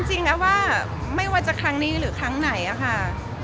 จริงแล้วว่าไม่ว่าจะครั้งนี้หรือครั้งไหนอะค่ะ